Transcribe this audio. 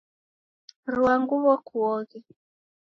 Rua nguw'o kuoghe.